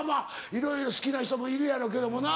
いろいろ好きな人もいるやろうけどもな。